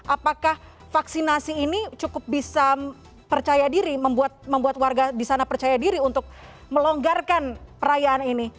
apakah vaksinasi ini cukup bisa percaya diri membuat warga di sana percaya diri untuk melonggarkan perayaan ini